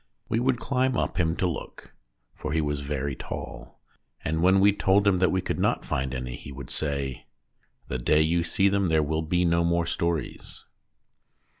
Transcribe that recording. We would climb up him to look (for he was very tall), and when we told him that we could not find any he would say : "The day you see them there will be no more stories."